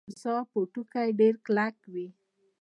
د تمساح پوټکی ډیر کلک وي